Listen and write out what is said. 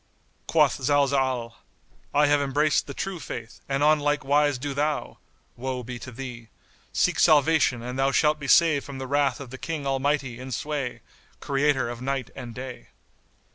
Quoth Zalzal, "I have embraced the True Faith, and on like wise do thou (Woe be to thee!) seek salvation and thou shalt be saved from the wrath of the King Almighty in sway, Creator of Night and Day."